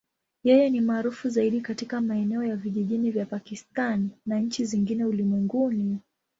Yeye ni maarufu zaidi katika maeneo ya vijijini ya Pakistan na nchi zingine ulimwenguni.